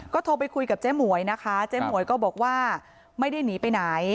โทรไปคุยกับเจ๊หมวยนะคะเจ๊หมวยก็บอกว่าไม่ได้หนีไปไหน